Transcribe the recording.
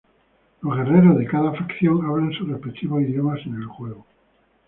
Los guerreros de cada facción hablan sus respectivos idiomas en el juego.